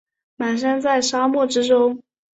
蹒跚在沙漠之中